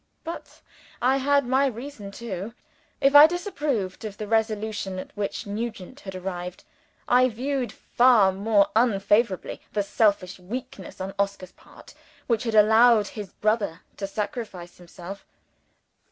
But I had my reason too. If I disapproved of the resolution at which Nugent had arrived, I viewed far more unfavorably the selfish weakness on Oscar's part, which had allowed his brother to sacrifice himself.